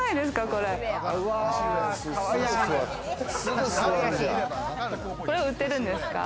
これは売ってるんですか？